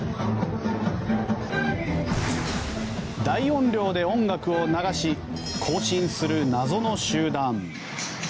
大音量で音楽を流し行進する謎の集団。